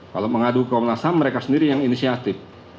kalau mengadu komnas ham mereka sendiri yang inisiatif